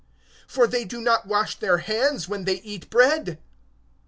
For they wash not their hands when they eat bread.